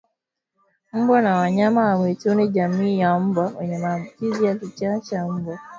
Mbwa na wanyama wa mwituni jamii ya mbwa wenye maambukizi ya kichaa cha mbwa